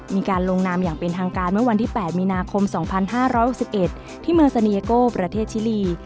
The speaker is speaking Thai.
มีการลงนามอย่างเป็นทางการเมื่อวันที่๘มีนาคม๒๕๖๑ที่เมืองซาเนียโกประเทศชิลี